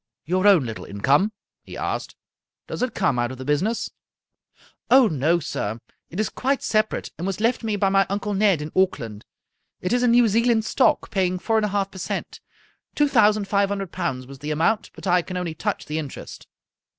" Your own little income," he asked, " does it come out of the business ?"" Oh, no, sir. It is quite separate, and was left me by my Uncle Ned in Auckland. It is in New Zealand stock, paying four and half per cent. Two thousand five hun dred pounds was the amount, but I can only touch the interest."